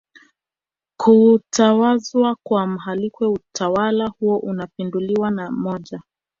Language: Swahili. kutawazwa kwa Mhalwike utawala huo ukapinduliwa na mmoja